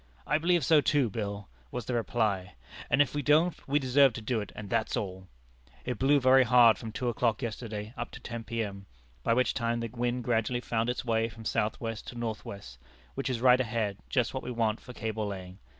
'I believe so too, Bill,' was the reply; 'and if we don't, we deserve to do it, and that's all.' It blew very hard from two o'clock yesterday, up to 10 P.M., by which time the wind gradually found its way from south west to north west, which is right ahead, just what we want for cable laying.